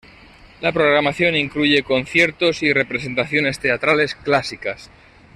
La programación incluye conciertos y representaciones teatrales clásicas.